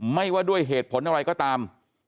ไม่ว่าด้วยเหตุผลอะไรก็ตาม